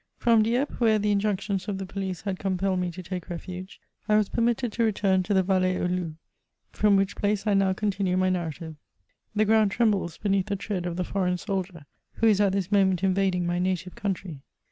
From Dieppe, where the injunctions of the police had com* peUed me to take refuge, I was permitted to return to the VaU^e^aux Loups, from which place I now continue my narra tive. The ground trembles beneath the tread of the foreiga soldier, who is at Ous moment invading my native country.